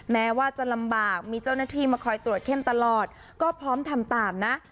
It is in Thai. แม้ว่าจะลำบากมีเจ้าหน้าที่มาคอยตรวจเข้มตลอดก็พร้อมทำตามนะ